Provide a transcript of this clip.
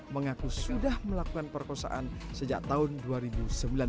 mengaku sudah melakukan kekerasan seksual yang berbeda dengan kasus kekerasan seksual ini